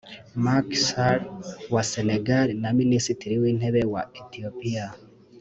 Macky Sall wa Senegal na Minisitiri w’Intebe wa Ethiopia